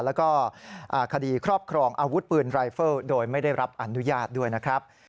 แล้วก็คดีครอบครองอาวุธปืนรายเฟิลโดยไม่ได้รับอนุญาตด้วยนะครับ